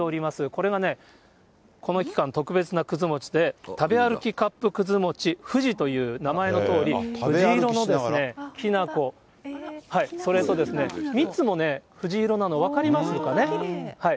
これがね、この期間、特別なくず餅で、食べ歩きカップくず餅、藤という名前のとおり、藤色のきなこ、それと蜜もね、藤色なの、分かりますかね。